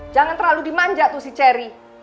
jangan terlalu dimanja tuh si cherry